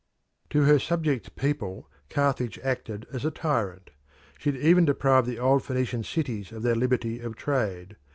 To her subject people Carthage acted as a tyrant. She had even deprived the old Phoenician cities of their liberty of trade.